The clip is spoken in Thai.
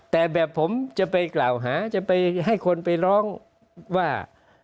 แต่แบบผมจะไปกล่าวหาจะไปให้คนไปร้องว่า